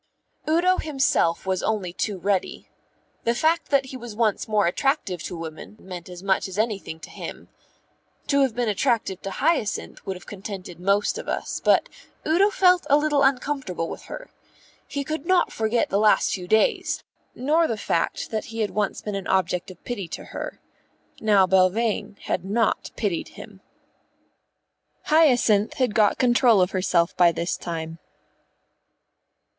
Udo himself was only too ready. The fact that he was once more attractive to women meant as much as anything to him. To have been attractive to Hyacinth would have contented most of us, but Udo felt a little uncomfortable with her. He could not forget the last few days, nor the fact that he had once been an object of pity to her. Now Belvane had not pitied him. Hyacinth had got control of herself by this time.